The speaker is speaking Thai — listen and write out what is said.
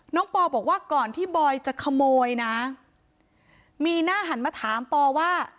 ปอบอกว่าก่อนที่บอยจะขโมยนะมีหน้าหันมาถามปอว่า